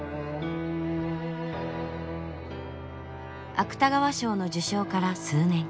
芥川賞の受賞から数年。